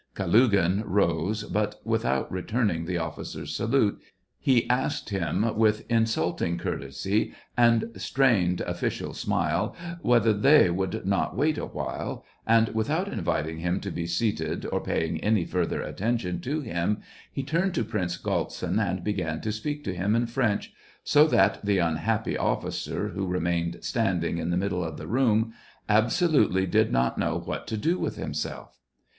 Kalugin rose, but, without returning the offi cer's salute, he asked him, with insulting courtesy and strained official smile, whether they'^ would not wait awhile ; and, without inviting him to be seated or paying any further attention to him, he turned to Prince Galtsin and began to speak to him in French, so that the unhappy officer, who remained standing in the middle of the room, absolutely did not know what to do with him self.